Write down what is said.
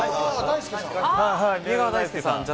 宮川大輔さん。